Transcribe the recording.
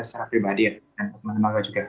secara pribadi dan teman teman lembaga juga